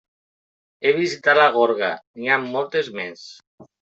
He visitat la gorga, n'hi ha moltes més.